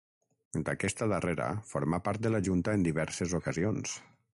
D’aquesta darrera formà part de la junta en diverses ocasions.